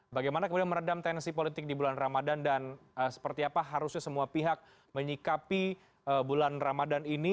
bagaimana kemudian meredam tensi politik di bulan ramadan dan seperti apa harusnya semua pihak menyikapi bulan ramadan ini